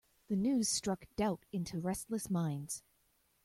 The news struck doubt into restless minds.